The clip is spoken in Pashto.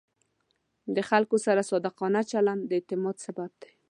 د خلکو سره صادقانه چلند د اعتماد سبب دی.